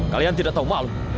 kalian tidak tahu malu